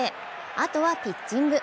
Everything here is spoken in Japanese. あとはピッチング。